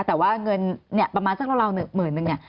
แต่ว่าเงินประมาณสักเล่าเหมือนหนึ่ง